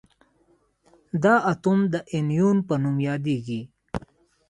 دا اتوم د انیون په نوم یادیږي.